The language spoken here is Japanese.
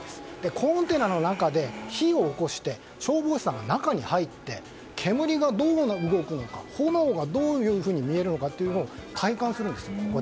コンテナの中で火を起こして消防士さんが中に入って煙がどう動くのか炎がどういうふうに見えるかを体感するんです。